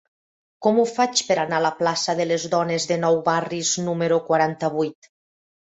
Com ho faig per anar a la plaça de Les Dones de Nou Barris número quaranta-vuit?